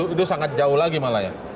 itu sangat jauh lagi malah ya